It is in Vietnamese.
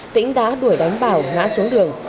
tĩnh đã đuổi đánh bảo ngã xuống đường